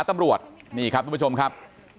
ตำรวจนี่ครับทุกผู้ชมครับ